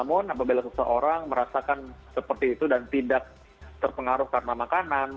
namun apabila seseorang merasakan seperti itu dan tidak terpengaruh karena makanan